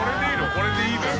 これでいいのよ。